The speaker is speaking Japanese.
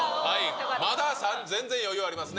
まだ全然余裕ありますね。